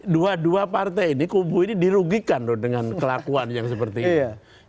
dua dua partai ini kubu ini dirugikan loh dengan kelakuan yang seperti ini